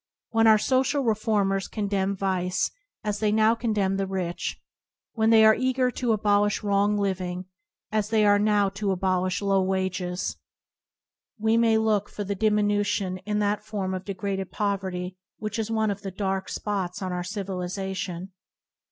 When our social reformers condemn vice as they now condemn the rich; when they are as eager to abolish wrong living as they now are to abolish low wages, we [47 ] may look for a diminution in that form of degraded poverty which is one of the dark spots on our civilization.